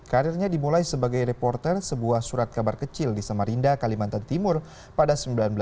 karirnya dimulai sebagai reporter sebuah surat kabar kecil di samarinda kalimantan timur pada seribu sembilan ratus sembilan puluh